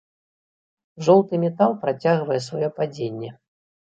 Жоўты метал працягвае сваё падзенне.